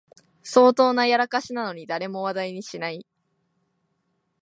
相当なやらかしなのに誰も話題にしない